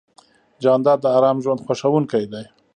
جانداد د ارام ژوند خوښوونکی دی.